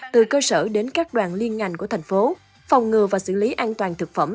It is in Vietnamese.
từ cơ sở đến các đoàn liên ngành của thành phố phòng ngừa và xử lý an toàn thực phẩm